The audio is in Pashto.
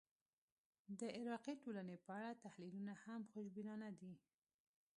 د عراقي ټولنې په اړه تحلیلونه هم خوشبینانه دي.